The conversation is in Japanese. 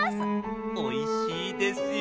おいしいですよ！